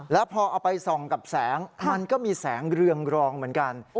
แล้วพอเอาไปส่องกับแสงมันก็มีแสงเรืองรองเหมือนกัน